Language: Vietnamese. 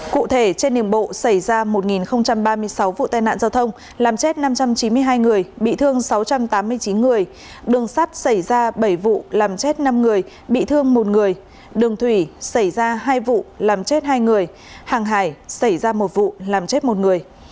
cụ thể trên đường bộ xảy ra một ba mươi sáu vụ tai nạn giao thông làm chết năm trăm chín mươi hai người bị thương sáu trăm tám mươi chín người đường sắt xảy ra bảy vụ làm chết năm người bị thương một người đường thủy xảy ra hai vụ làm chết hai người hàng hải xảy ra một vụ làm chết một người